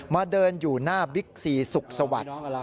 เดินอยู่หน้าบิ๊กซีสุขสวัสดิ์